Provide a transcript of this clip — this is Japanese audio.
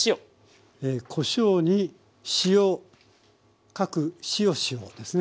こしょうに塩各しおしおですね。